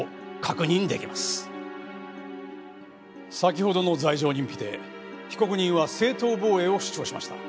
先ほどの罪状認否で被告人は正当防衛を主張しました。